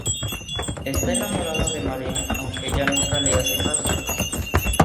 Está enamorado de Malina, aunque ella nunca le hace caso.